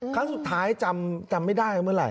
ครั้งสุดท้ายจำไม่ได้ว่าเมื่อไห